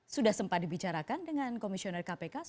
sudah sempat dibicarakan dengan komisioner kpk